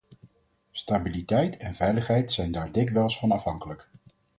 Stabiliteit en veiligheid zijn daar dikwijls van afhankelijk.